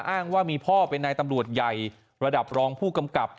อ้างว่ามีพ่อเป็นนายตำรวจใหญ่ระดับรองผู้กำกับ